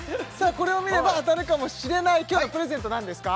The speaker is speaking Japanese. これを見れば当たるかもしれない今日のプレゼント何ですか？